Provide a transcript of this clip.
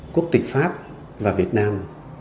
quốc tịch pháp và việt nam